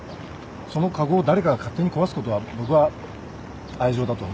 その籠を誰かが勝手に壊すことは僕は愛情だとは思わない。